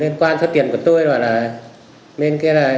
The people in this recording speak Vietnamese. liên quan cho tiền của tôi là